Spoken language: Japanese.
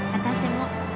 私も。